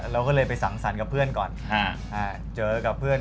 เราก็เลยไปสั่งสรรค์กับเพื่อนก่อนเจอกับเพื่อน